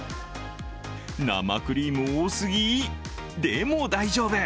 生クリーム多すぎ、でも大丈夫。